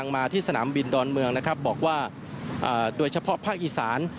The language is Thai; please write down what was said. มาที่สนามบินดอนเมืองนะครับบอกว่าโดยเฉพาะภาคอีสาน